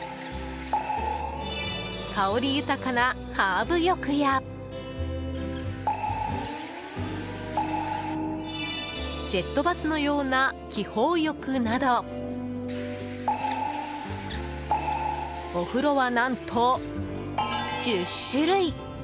香り豊かなハーブ浴やジェットバスのような気泡浴などお風呂は何と１０種類。